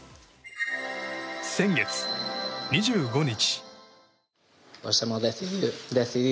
先月２５日。